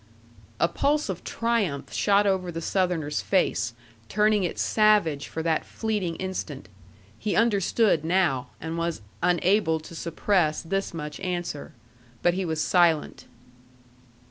A pulse of triumph shot over the Southerner's face, turning it savage for that fleeting instant. He understood now, and was unable to suppress this much answer. But he was silent.